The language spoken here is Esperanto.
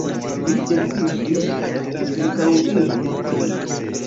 Li decidis ĉirkaŭiri ĝin.